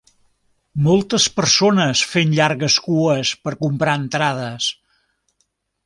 Moltes persones fent llargues cues per comprar entrades.